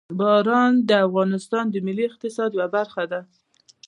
باران د افغانستان د ملي اقتصاد یوه برخه ده.